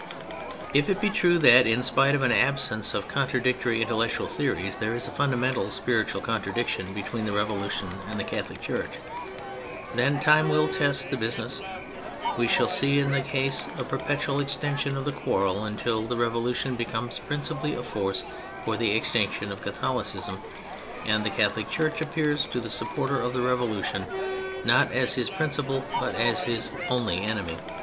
If it be true that, in spite of an absence of contradictory intellectual theories, there is a fundamental spiritual contradiction between, the Revolution and the Catholic Church, then time will test the business; we shall see in that case a perpetual extension of the quarrel until the Revolution becomes princi pally a force for the extinction of Catho licism, and the Catholic Church appears to the supporter of the Revolution not as his principal, but as his only enemy.